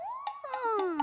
うん。